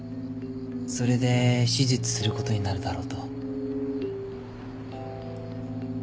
それで手術することになるだろうと。